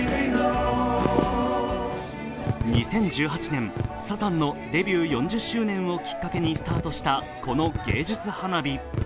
２０１８年、サザンのデビュー４０周年をきっかけにスタートしたこの芸術花火。